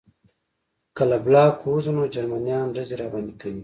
که له بلاک ووځو نو جرمنان ډزې راباندې کوي